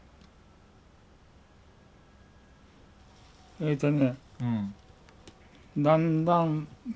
ええとね